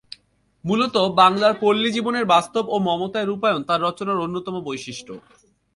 মূলতঃ বাংলার পল্লী-জীবনের বাস্তব ও মমতায় রূপায়ণ তার রচনার অন্যতম বৈশিষ্ট্য।